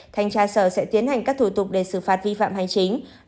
thanh tra sở sẽ tiến hành các thủ tục để xử phạt vi phạm hành chính